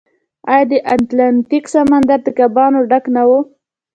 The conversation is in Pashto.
آیا د اتلانتیک سمندر د کبانو ډک نه و؟